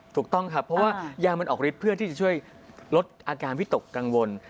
ถูกต้องครับเพราะว่ายามันออกฤทธิ์เพื่อที่จะช่วยลดอาการวิตกกังวล